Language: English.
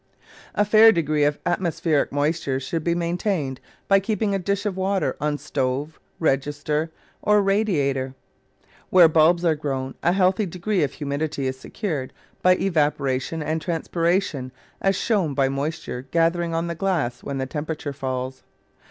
A fair degree of atmospheric moisture should be maintained by keeping a dish of water on stove, register, or radiator. Where bulbs are grown a healthy degree of humidity is secured by evaporation and transpiration as shown by moisture gathering on Digitized by Google no The Flower Garden [Chapter the glass when the temperature falls.